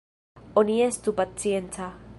Oni estu pacienca!